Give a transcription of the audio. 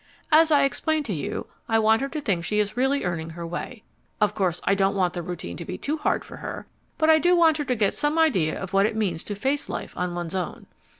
As I explained to you, I want her to think she is really earning her way. Of course I don't want the routine to be too hard for her, but I do want her to get some idea of what it means to face life on one's own.